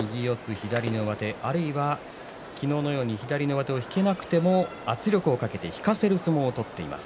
左の上手あるいは昨日のように左の上手を取れなくても圧力で相手を引かせています。